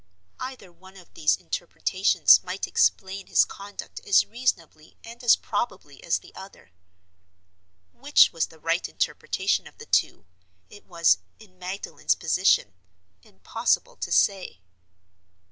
Either one of these interpretations might explain his conduct as reasonably and as probably as the other. Which was the right interpretation of the two, it was, in Magdalen's position, impossible to say.